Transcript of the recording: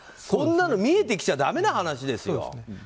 こんなの見えてきちゃだめな話ですよ。